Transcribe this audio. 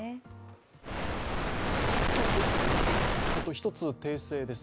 一つ訂正です。